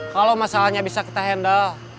kalau masalahnya bisa kita handle